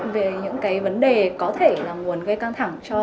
về những cái vấn đề có thể là nguồn gây căng thẳng cho